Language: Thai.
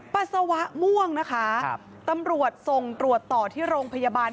ปัสสาวะม่วงนะคะตำรวจส่งตรวจต่อที่โรงพยาบาล